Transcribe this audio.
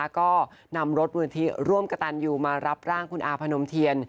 ก็นำรถมูลที่ร่วมกระตันยูมารับร่างคุณอาพนมเทียน